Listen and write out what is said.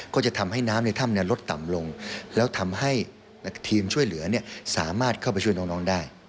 ก็จะทำให้น้ำในถ้ำลดต่ำลงแล้วทำให้ทีมช่วยเหลือสามารถเข้าไปช่วยน้องได้